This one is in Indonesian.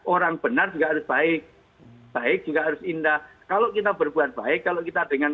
orang benar juga harus baik baik juga harus indah kalau kita berbuat baik kalau kita dengan